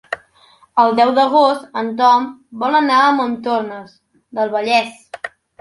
El deu d'agost en Tom vol anar a Montornès del Vallès.